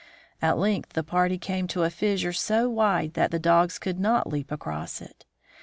At length the party came to a fissure so wide that the dogs could not leap across it.